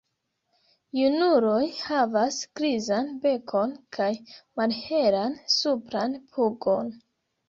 Junuloj havas grizan bekon kaj malhelan supran pugon.